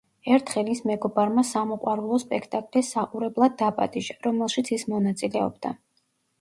ერთხელ ის მეგობარმა სამოყვარულო სპექტაკლის საყურებლად დაპატიჟა, რომელშიც ის მონაწილეობდა.